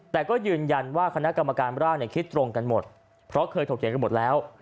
แต่ก็ยืนยันว่าคณะกรรมการร่างคิดตรงกันหมดเพราะเคยถกเถียงกันหมดแล้ว